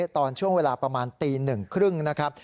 ตอนช่วงเวลาประมาณตีหนึ่งครึ่งนะครับ